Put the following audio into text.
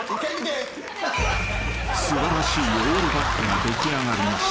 ［素晴らしいオールバックが出来上がりました］